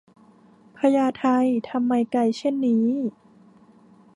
พญาไท ทำไมไกลเช่นนี้